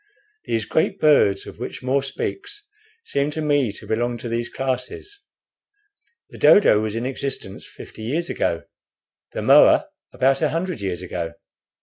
These great birds, of which More speaks, seem to me to belong to these classes. The dodo was in existence fifty years ago, the moa about a hundred years ago.